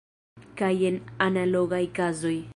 Kaj en analogaj kazoj.